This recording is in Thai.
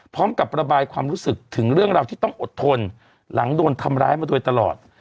พร้อมกับระบายความรู้สึกถึงเรื่องราวที่ต้องอดทนหลังโดนทำร้ายมาโดยตลอด